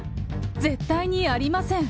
絶対にありません！